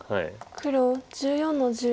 黒１４の十。